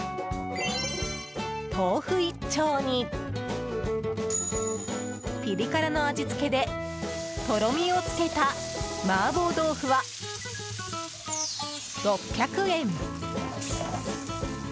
豆腐１丁に、ピリ辛の味付けでとろみをつけた麻婆豆腐は６００円。